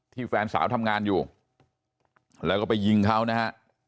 แฟนสาวทำงานอยู่แล้วก็ไปยิงเขานะฮะ